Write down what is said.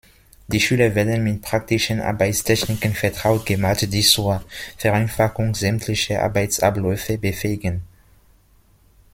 Die Schüler werden mit praktischen Arbeitstechniken vertraut gemacht, die zur Vereinfachung sämtlicher Arbeitsabläufe befähigen.